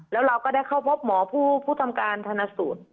แล้วเราก็ได้เข้าพบหมอผู้ทำการธนสูตร